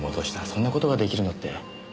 そんな事が出来るのって